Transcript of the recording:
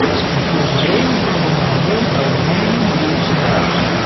It was based on the novel by Mary Mapes Dodge.